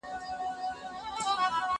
مکتب خلاص کړه،